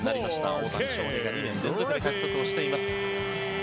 大谷翔平が２年連続で獲得しています。